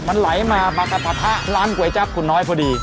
มันไหลมามากระปะทะร้านก๋วยจับคุณน้อยพอดี